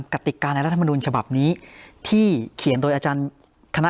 กติกาในรัฐมนุนฉบับนี้ที่เขียนโดยอาจารย์คณะ